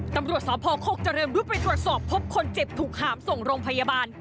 ตำรวจสพโคกเจริญรุดไปตรวจสอบพบคนเจ็บถูกหามส่งโรงพยาบาล